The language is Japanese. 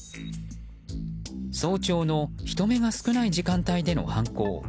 早朝の人目が少ない時間帯での犯行。